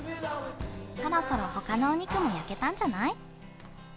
そろそろ他のお肉も焼けたんじゃない？